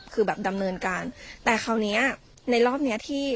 คือแบบดำเนินการแต่คราวเนี้ยในรอบเนี้ยที่